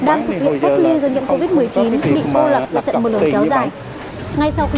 để kiếm nghị công ty xem xét điều chỉnh